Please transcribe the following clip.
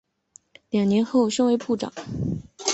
两年后升为部长。